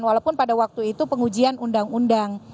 walaupun pada waktu itu pengujian undang undang